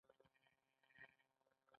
نجونې په ښکاره توګه له زده کړو منع شوې دي.